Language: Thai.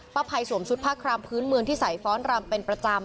ป้าภัยสวมสุดพระคลามพื้นเมืองที่สายฟ้อนรำเป็นประจำ